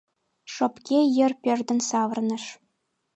Шопке йыр пӧрдын савырныш.